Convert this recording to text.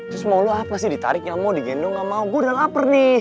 terus mau lo apa sih ditarik nyamuk digendong gak mau gue udah lapar nih